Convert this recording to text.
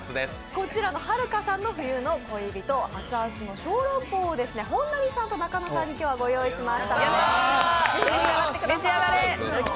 こちらのはるかさんの冬の恋人、熱々の小籠包を本並さんと中野さんに今日はご用意しましたのでぜひ召し上がってください。